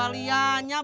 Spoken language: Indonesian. berani kita kerjain papa